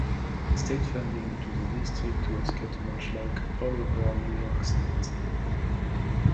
State funding to the district was cut much like all over New York State.